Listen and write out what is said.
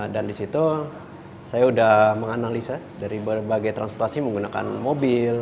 dan disitu saya sudah menganalisa dari berbagai transportasi menggunakan mobil